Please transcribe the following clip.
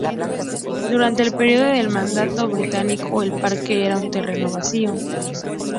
Durante el período del Mandato británico el parque era un terreno vacío.